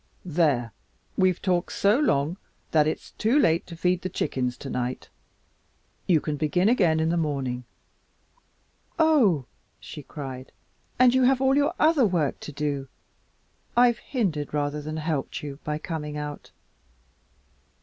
There, we've talked so long that it's too late to feed the chickens tonight. You can begin in the morning." "Oh!" she cried, "and you have all your other work to do. I've hindered rather than helped you by coming out."